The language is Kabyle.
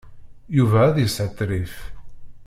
Yuba a yeshetrif.